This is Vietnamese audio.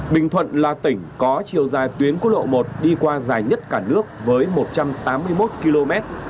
bình thuận là tỉnh có chiều dài tuyến quốc lộ một đi qua dài nhất cả nước với một trăm tám mươi một km